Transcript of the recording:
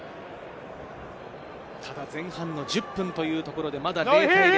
ただ前半の１０分というところで、まだ０対０。